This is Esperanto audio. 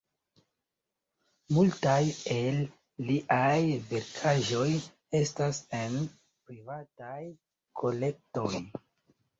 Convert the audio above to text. Multaj el liaj verkaĵoj estas en privataj kolektoj.